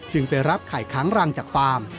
ไปรับไข่ค้างรังจากฟาร์ม